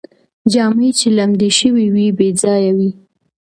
جامې چې لمدې شوې وې، بې ځایه وې